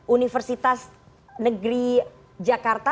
universitas negeri jakarta